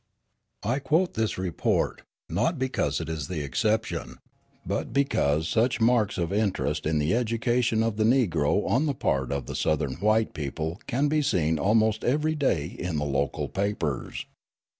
I quote this report, not because it is the exception, but because such marks of interest in the education of the Negro on the part of the Southern white people can be seen almost every day in the local papers.